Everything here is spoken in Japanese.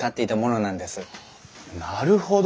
なるほど。